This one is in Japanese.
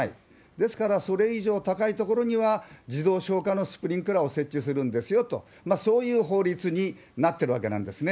ですから、それ以上高い所には自動消火のスプリンクラーを設置するんですよと、そういう法律になってるわけなんですね。